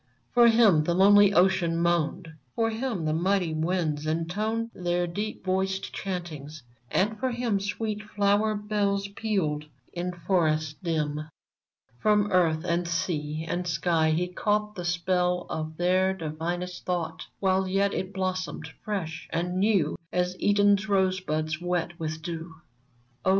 For him the lonely ocean moaned ; P'or him the mighty winds intoned Their deep voiced chantings, and for him Sweet flower bells pealed in forests dim. From earth and sea and sky he caught The spell of their divinest thought, While yet it blossomed fresh and new As Eden's rosebuds wet with dew ! Oh